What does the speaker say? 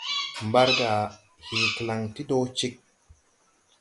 Mbargà hee klaŋ ti dɔ ceg.